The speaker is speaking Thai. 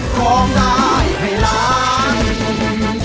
ต้องได้เวลานี้